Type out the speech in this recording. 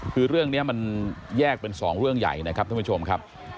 คือเรื่องนี้มันแยกเป็นสองเรื่องใหญ่นะครับท่านผู้ชมครับ